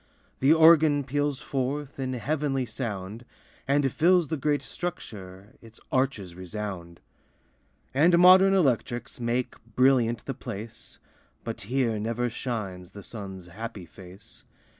The organ peals forth In heavenly sound, And fills the great structure, Its arches resound. And modern electrics Make brilliant the place, But here never shines The sun's happy face.